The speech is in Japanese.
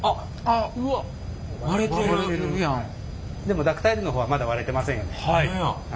でもダクタイルの方はまだ割れてませんよね。